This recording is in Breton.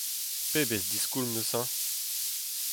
Pebezh diskoulm neuze ?